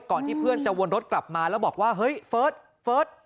ก่อนที่เพื่อนจะวนรถกลับมาแล้วบอกว่าฟองธ์